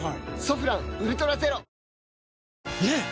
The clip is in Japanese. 「ソフランウルトラゼロ」ねえ‼